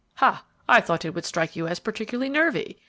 "Ha! I thought it would strike you as particularly nervy.